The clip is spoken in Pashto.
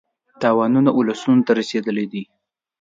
تاوانونه اولسونو ته رسېدلي دي.